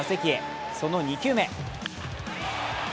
その２球目。